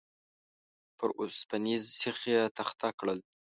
پر اوسپنيز سيخ يې تخته کړل.